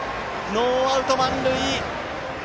ノーアウト、満塁！